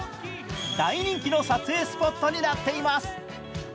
大人気の撮影スポットになっています。